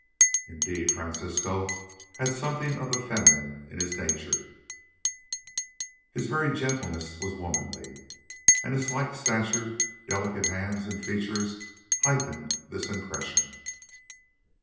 Indeed Francisco had something of the feminine in his nature; his very gentleness was womanly, and his slight stature, delicate hands and features heightened this impression.